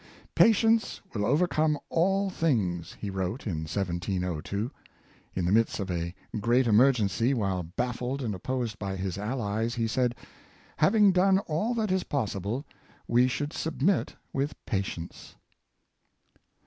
" Patience will overcome all things," he wrote in 1702. In the midst of a great emergency, while baffled and opposed by his alHes, he said: " Having done all that is possible, we should submit with pa tience."